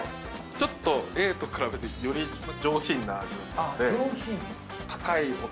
ちょっとＡと比べてより上品な味だったので。